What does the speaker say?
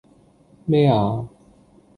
咩呀!